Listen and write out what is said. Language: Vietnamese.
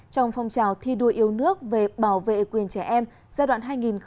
trong phong trào thi đua yêu nước về bảo vệ quyền trẻ em giai đoạn hai nghìn một mươi năm hai nghìn hai mươi